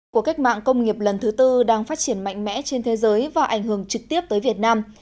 cuộc cách mạng công nghiệp lần thứ tư đang phát triển mạnh mẽ trên thế giới và ảnh hưởng trực tiếp tới việt nam